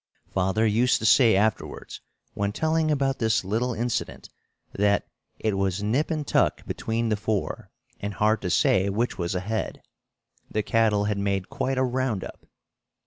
Father used to say afterwards, when telling about this little incident, that "it was nip and tuck between the four, and hard to say which was ahead." The cattle had made quite a "round up."